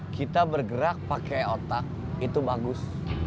kita bergerak pakai otak itu bagus